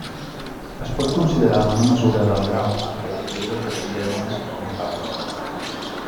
Es pot considerar una mesura del grau en què la figura es desvia d'una circumferència.